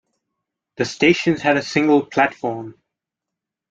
The stations had a single platform.